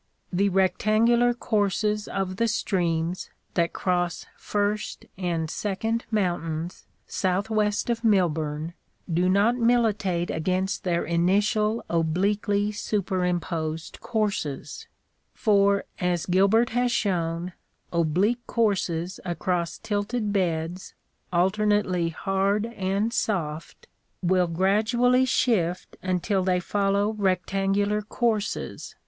The rectangular courses of the streams that cross First and Second mountains southwest of Milburn do not militate against their initial obliquely superimposed courses ; for, as Gilbert has shown, oblique courses across tilted beds, alternately hard and soft, will gradually shift until they follow rectangular courses, 100 National Geographic Magazine.